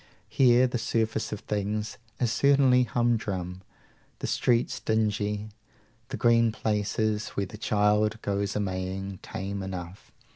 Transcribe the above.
Here, the surface of things is certainly humdrum, the streets dingy, the green places, where the child goes a maying, tame enough.